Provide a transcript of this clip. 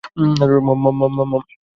মম, মম, মম।